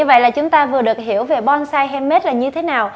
và chúng ta vừa được hiểu về bonsai handmade là như thế nào